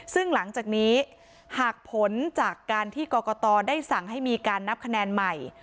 ซึ่งหลังจากนี้หากผลจากการที่กรกตได้สั่งให้มีการนับคะแนนใหม่